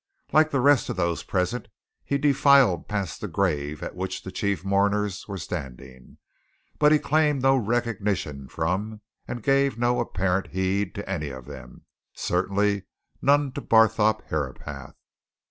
Like the rest of those present, he defiled past the grave at which the chief mourners were standing, but he claimed no recognition from and gave no apparent heed to any of them; certainly none to Barthorpe Herapath.